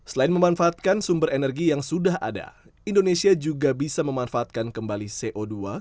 selain memanfaatkan sumber energi yang sudah ada indonesia juga bisa memanfaatkan kembali co dua